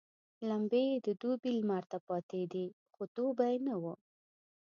لمبې يې د دوبي لمر ته پاتېدې خو دوبی نه وو.